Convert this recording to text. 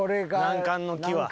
難関の木は。